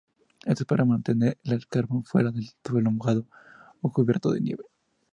Esto es para mantener el carbón fuera del suelo mojado o cubierto de nieve.